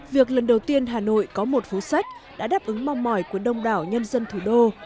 việc lần đầu tiên hà nội có một phố sách đã đáp ứng mong mỏi của đông đảo nhân dân thủ đô